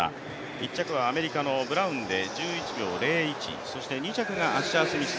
１着はアメリカのブラウンで１１秒０１そして２着がアッシャースミス